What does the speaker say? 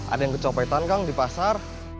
ada yang kecopetan kang di pasar